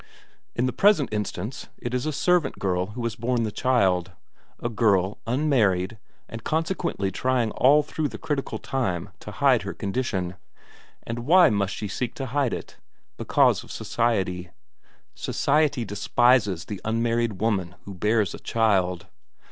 "In the present instance, it is a servant girl who has borne the child. A girl, unmarried, and consequently trying all through the critical time to hide her condition. And why must she seek to hide it? Because of society. Society despises the unmarried woman who bears a child.